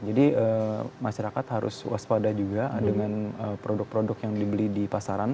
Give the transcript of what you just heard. jadi masyarakat harus waspada juga dengan produk produk yang dibeli di pasaran